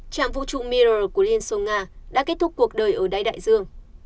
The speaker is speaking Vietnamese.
trạm vũ trụ mier của liên xô nga đã kết thúc cuộc đời ở đáy đại dương